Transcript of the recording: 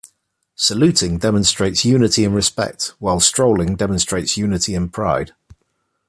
Saluting demonstrates unity and respect, while strolling demonstrates unity and pride.